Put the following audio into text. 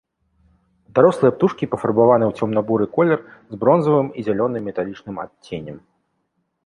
Дарослыя птушкі пафарбаваны ў цёмна-буры колер з бронзавым і зялёным металічным адценнем.